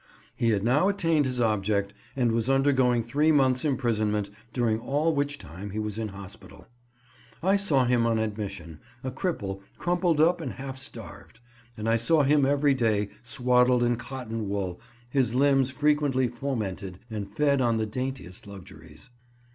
He had now attained his object, and was undergoing three months' imprisonment, during all which time he was in hospital. I saw him on admission, a cripple, crumpled up and half starved, and I saw him every day swaddled in cotton wool, his limbs frequently fomented, and fed on the daintiest luxuries.